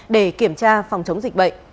để kiểm tra phòng chống dịch bệnh